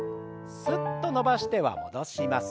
すっと伸ばしては戻します。